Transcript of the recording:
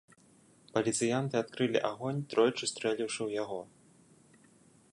Паліцыянты адкрылі агонь, тройчы стрэліўшы ў яго.